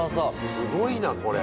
すごいなこれ。